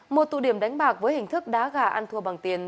một tụ điểm đánh bạc với hình thức đá gà ăn thua bằng tiền